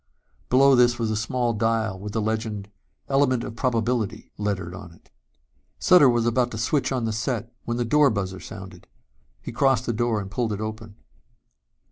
Below this was a small dial with the legend Element of Probability lettered on it. Sutter was about to switch on the set when the door buzzer sounded. He crossed to the door and pulled it open.